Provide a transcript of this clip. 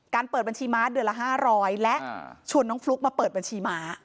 เปิดบัญชีม้าเดือนละ๕๐๐และชวนน้องฟลุ๊กมาเปิดบัญชีม้า